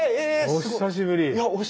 お久しぶりです。